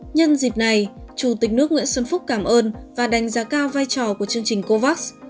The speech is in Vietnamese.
nhân dịp này chủ tịch nước nguyễn xuân phúc cảm ơn và đánh giá cao vai trò của chương trình covax